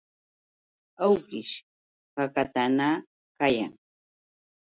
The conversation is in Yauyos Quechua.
Awkish hakatanakayan.